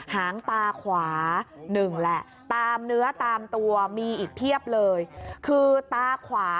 หางตาขวาหนึ่งแหละตามเนื้อตามตัวมีอีกเพียบเลยคือตาขวา